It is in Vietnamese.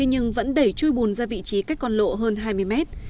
nhưng vẫn đẩy trôi bùn ra vị trí cách con lộ hơn hai mươi mét